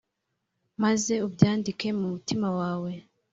maze ubyandike mu mutima wawe